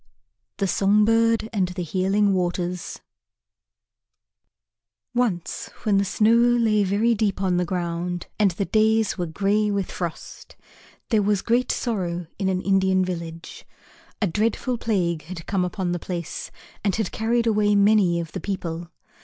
THE SONG BIRD AND THE HEALING WATERS Once when the snow lay very deep on the ground and the days were grey with frost, there was great sorrow in an Indian village. A dreadful plague had come upon the place and had carried away many of the people.